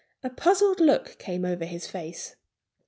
A puzzled look came over his face.